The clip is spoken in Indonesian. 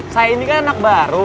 saya ini kan anak baru